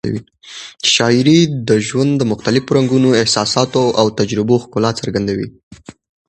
شاعري د ژوند مختلفو رنګونو، احساساتو او تجربو ښکلا څرګندوي.